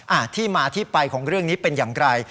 อ่ะที่มาที่ไปของเรื่องนี้เป็นอย่างไร